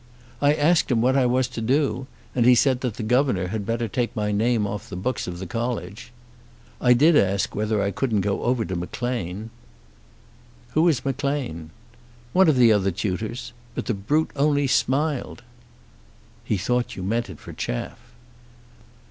I asked him what I was to do, and he said that the governor had better take my name off the books of the college. I did ask whether I couldn't go over to Maclean." "Who is Maclean?" "One of the other tutors. But the brute only smiled." "He thought you meant it for chaff."